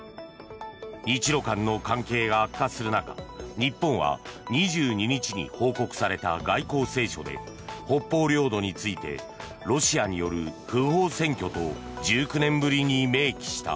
日ロ間の関係が悪化する中日本は２２日に報告された外交青書で北方領土についてロシアによる不法占拠と１９年ぶりに明記した。